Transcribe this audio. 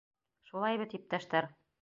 Шулай бит, иптәштәр?